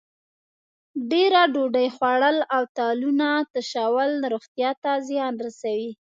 ډېره ډوډۍ خوړل او تالونه تشول روغتیا ته زیان رسوي.